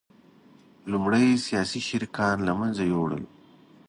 لومړی سیاسي شریکان له منځه یوړل